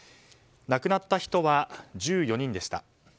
亡くなった人は１４人でした。